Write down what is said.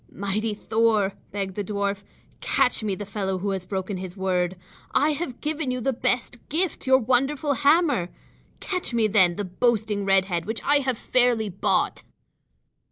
"Mighty Thor," begged the dwarf, "catch me the fellow who has broken his word. I have given you the best gift, your wonderful hammer. Catch me, then, the boasting red head which I have fairly bought."